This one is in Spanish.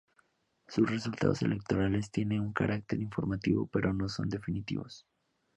Sus resultados electorales, tiene un carácter informativo pero no son definitivos.